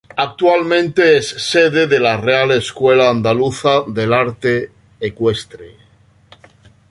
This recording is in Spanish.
Actualmente es sede de la Real Escuela Andaluza del Arte Ecuestre.